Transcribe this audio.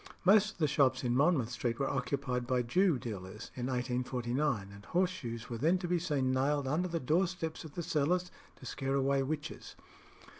Most of the shops in Monmouth Street were occupied by Jew dealers in 1849, and horse shoes were then to be seen nailed under the door steps of the cellars to scare away witches.